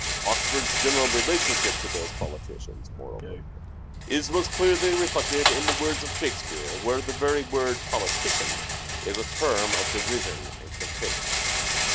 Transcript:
Oxford's general relationship to those politicians, moreover, is most clearly reflected in the works of Shakespeare where the very word " politician " is a term of derision and contempt.